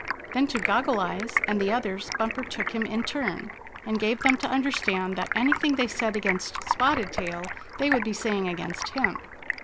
Then to Goggle Eyes and the others. Bumper took him in turn, and gave them to understand that anything they said against Spotted Tail they would be saying against him.